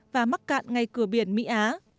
và mắc cạn ngay cửa biển mỹ á